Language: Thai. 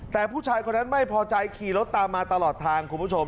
แต่ผู้ชายคนนั้นไม่พอใจขี่รถตามมาตลอดทางคุณผู้ชม